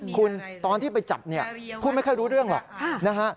คุณตอนที่ไปจับเนี่ยพูดไม่ค่อยรู้เรื่องหรอกนะฮะ